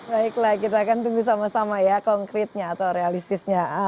baiklah kita akan tunggu sama sama ya konkretnya atau realistisnya